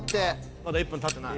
まだ１分たってない。